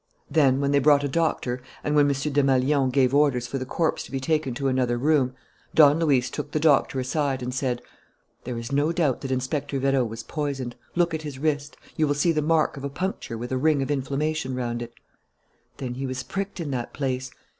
Then, when they brought a doctor and when M. Desmalions gave orders for the corpse to be carried to another room, Don Luis took the doctor aside and said: "There is no doubt that Inspector Vérot was poisoned. Look at his wrist: you will see the mark of a puncture with a ring of inflammation round it." "Then he was pricked in that place?"